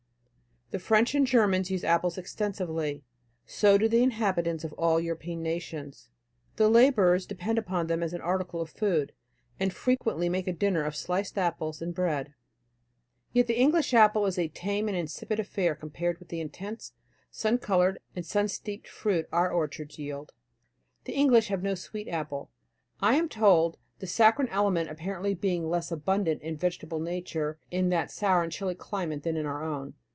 The French and Germans use apples extensively, so do the inhabitants of all European nations. The laborers depend upon them as an article of food, and frequently make a dinner of sliced apples and bread." Yet the English apple is a tame and insipid affair compared with the intense, sun colored and sun steeped fruit our orchards yield. The English have no sweet apple, I am told, the saccharine element apparently being less abundant in vegetable nature in that sour and chilly climate than in our own.